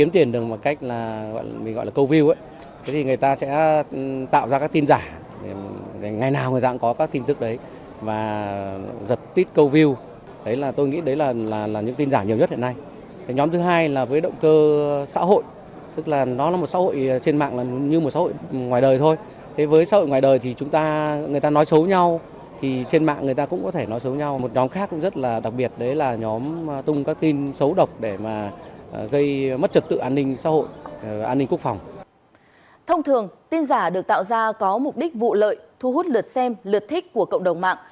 thông thường tin giả được tạo ra có mục đích vụ lợi thu hút lượt xem lượt thích của cộng đồng mạng